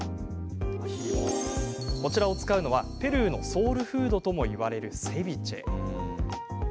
こちらを使うのはペルーのソウルフードともいわれるセビチェ。